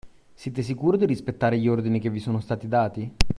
Siete sicuro di rispettare gli ordini che vi sono stati dati?